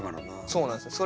そうなんですよ。